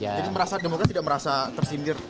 jadi merasa demokrasi tidak merasa tersindir